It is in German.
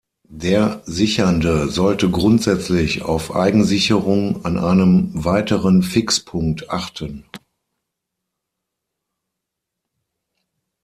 Der Sichernde sollte grundsätzlich auf Eigensicherung an einem weiteren Fixpunkt achten.